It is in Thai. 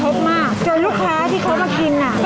เราเจอลูกค้าที่มากินน่ะ